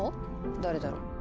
誰だろう。